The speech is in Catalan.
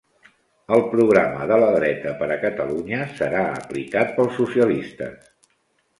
El programa de la dreta per a Catalunya serà aplicat pels socialistes